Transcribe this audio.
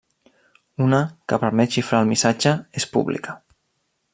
Una, que permet xifrar el missatge, és pública.